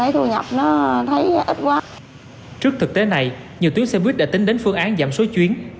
trước thực tế này nhiều tuyến xe buýt đã tính đến phương án giảm số chuyến